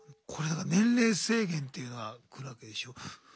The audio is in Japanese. これだから年齢制限っていうのは来るわけでしょ。